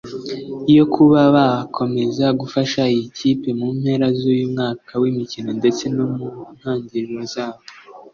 yo kuba bakomeza gufasha iyi kipe mu mpera z’uyu mwaka w’imikino ndetse no mu ntangiriro zawo